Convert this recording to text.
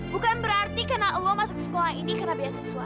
bukan berarti karena allah masuk sekolah ini karena beasiswa